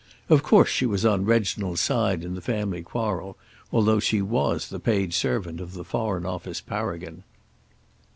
Of course she was on Reginald's side in the family quarrel, although she was the paid servant of the Foreign Office paragon.